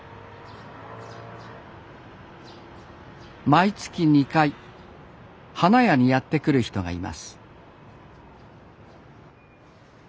毎月２回花屋にやって来る人がいます。